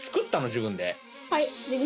自分で。